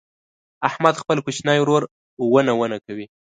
احمد خپل کوچنی ورور ونه ونه کوي.